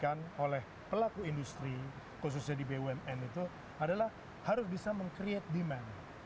yang kedua juga harus diperhatikan oleh pelaku industri khususnya di bwnn itu adalah harus bisa men create demand